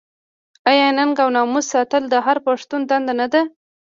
آیا ننګ او ناموس ساتل د هر پښتون دنده نه ده؟